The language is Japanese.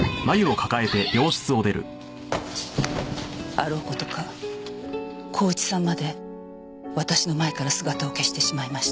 あろう事か孝一さんまで私の前から姿を消してしまいました。